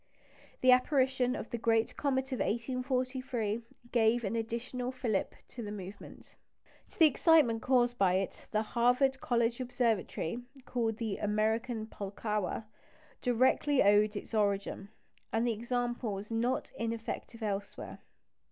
The apparition of the great comet of 1843 gave an additional fillip to the movement. To the excitement caused by it the Harvard College Observatory called the "American Pulkowa" directly owed its origin; and the example was not ineffective elsewhere.